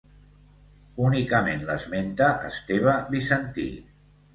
Únicament l'esmenta Esteve Bizantí.